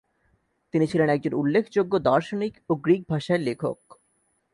তিনি ছিলেন একজন উল্লেখযোগ্য দার্শনিক ও গ্রীক ভাষায় লেখক।